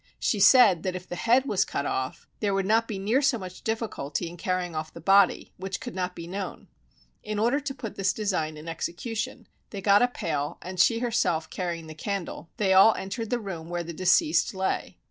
She said that if the head was cut off, there would not be near so much difficulty in carrying off the body, which could not be known. In order to put this design in execution, they got a pail and she herself carrying the candle, they all entered the room where the deceased lay.